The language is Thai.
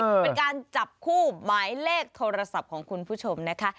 เป็นการจับคู่หมายเลขโทรศัพท์ของคุณผู้ชมนะคะ